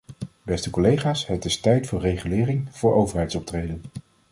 Beste collega's, het is tijd voor regulering, voor overheidsoptreden.